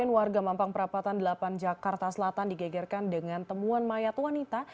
warga mampang perapatan delapan jakarta selatan digegerkan dengan temuan mayat wanita